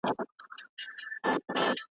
پوهه د انسان لپاره رڼا ده.